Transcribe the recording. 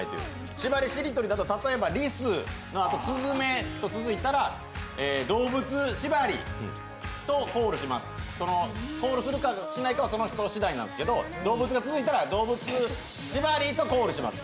しばりしりとりだと、例えばりすのあとだと、すずめで続いたら動物縛りとコールします、コールするかしないかはその人しだいなんですけど、動物が続いたら、動物しばり！とコールします。